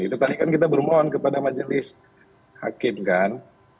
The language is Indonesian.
itu tadi kan kita bermohon kepada majelis hakim kan